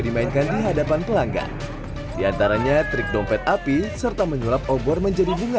dimainkan di hadapan pelanggan diantaranya trik dompet api serta menyulap obor menjadi bunga